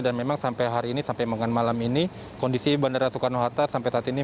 dan memang sampai hari ini sampai malam ini kondisi bandara soekarno hatta sampai saat ini